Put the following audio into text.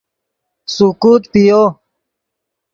سیکوت پیو